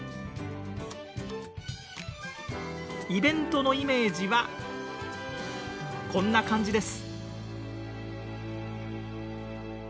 イベントのイメージはこんな感じです。